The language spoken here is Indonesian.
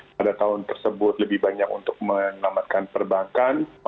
pada tahun tersebut lebih banyak untuk menyelamatkan perbankan